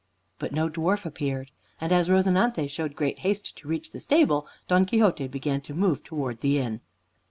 But no dwarf appeared, and as "Rozinante" showed great haste to reach the stable, Don Quixote began to move towards the inn.